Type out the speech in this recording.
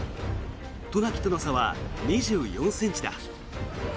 渡名喜との差は２４ｃｍだ。